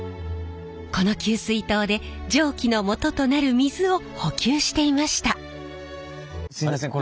この給水塔で蒸気のもととなる水を補給していました。